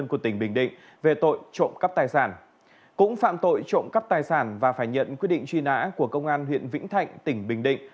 cũng phạm tội trộm cắp tài sản và phải nhận quyết định truy nã của công an huyện vĩnh thạnh tỉnh bình định